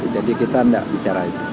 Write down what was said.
jadi kita nggak bicara itu